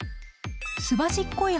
すばしっこい